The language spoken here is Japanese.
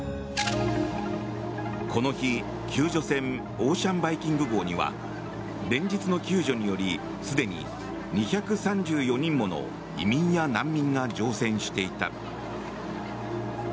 この日、救助船「オーシャン・バイキング号」には連日の救助によりすでに２３４人もの移民や難民が乗船していた。